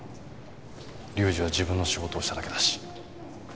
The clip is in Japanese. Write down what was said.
龍二は自分の仕事をしただけだし。